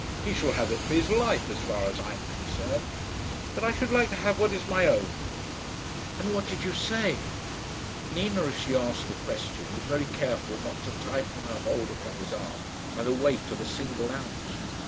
He shall have it for his life, as far as I am concerned. But I should like to have what is my own." "And what did you say?" Nina, as she asked the question, was very careful not to tighten her hold upon his arm by the weight of a single ounce.